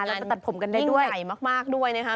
แล้วก็ตัดผ่มกันได้ด้วยก็ได้แห่งใหม่มากด้วยนะคะ